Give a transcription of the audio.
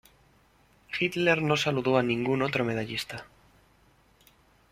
Hitler no saludó a ningún otro medallista.